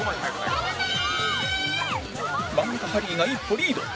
真ん中ハリーが一歩リード